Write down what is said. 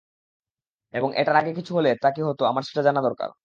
এবং এটার আগে কিছু হলে, তা কি হতো - আমার সেটা জানার দরকার।